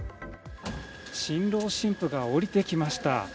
新郎新婦が降りてきました。